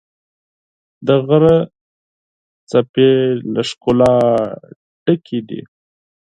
د غره څپې له ښکلا ډکې دي.